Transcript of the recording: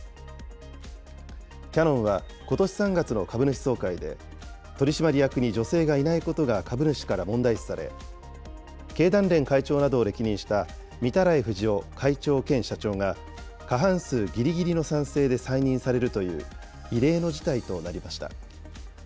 キヤノンはことし３月の株主総会で、取締役に女性がいないことが株主から問題視され、経団連会長などを歴任した御手洗冨士夫会長兼社長が、過半数ぎりぎりの賛成で再任されるという、異例の事態となりました。